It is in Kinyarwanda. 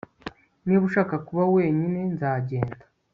Niba ushaka kuba wenyine nzagenda